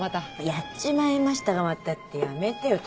「やっちまいましたかまた」ってやめてよ。